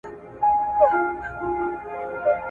خو ده ويله چې په لاره کې خولگۍ نه غواړم